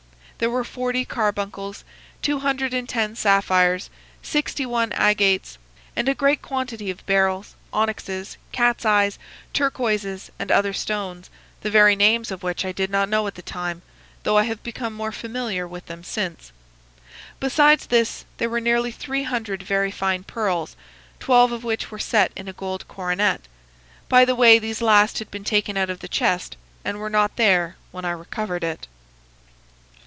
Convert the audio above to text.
There were forty carbuncles, two hundred and ten sapphires, sixty one agates, and a great quantity of beryls, onyxes, cats' eyes, turquoises, and other stones, the very names of which I did not know at the time, though I have become more familiar with them since. Besides this, there were nearly three hundred very fine pearls, twelve of which were set in a gold coronet. By the way, these last had been taken out of the chest and were not there when I recovered it.